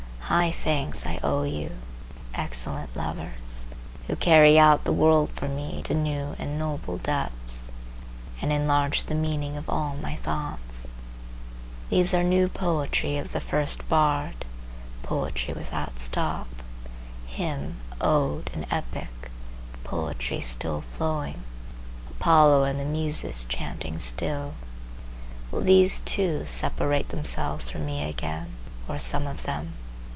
High thanks I owe you, excellent lovers, who carry out the world for me to new and noble depths, and enlarge the meaning of all my thoughts. These are new poetry of the first Bard,—poetry without stop,—hymn, ode and epic, poetry still flowing, Apollo and the Muses chanting still. Will these too separate themselves from me again, or some of them?